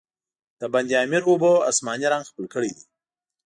د بند امیر اوبو، آسماني رنګ خپل کړی دی.